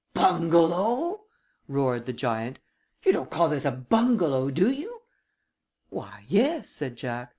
"Bungalow?" roared the giant. "You don't call this a bungalow, do you?" "Why, yes," said Jack.